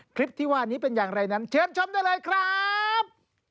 คลิปที่ว่านี้เป็นอย่างไรนั้นเชิญชมได้เลยครับ